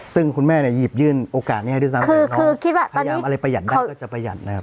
ซึ่งคุณแม่เนี้ยหยีบยื่นโอกาสนี้ให้ด้วยซ้ำคือคือคิดว่าตอนนี้พยายามอะไรประหยัดได้ก็จะประหยัดนะครับ